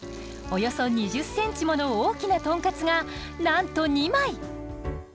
およそ２０ｃｍもの大きな豚かつがなんと２枚！